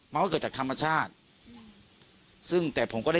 พันธุ์ออกไปแล้วแหละ